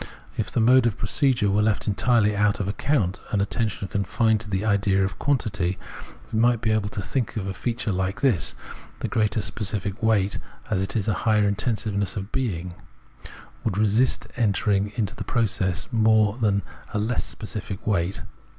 If the mode of procedure were left entirely out of account, and attention confined to the idea of quantity, we might be able to think of a feature like this :— the greater specific weight, as it is a higher intensiveness of being [Insichseyn), would resist entering into the process more than a less specific weight.